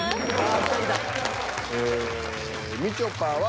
ええみちょぱは。